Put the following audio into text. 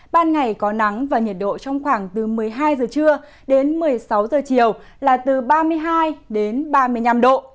ban ngày có nắng và nhiệt độ trong khoảng từ một mươi hai giờ trưa đến một mươi sáu giờ chiều là từ ba mươi hai đến ba mươi năm độ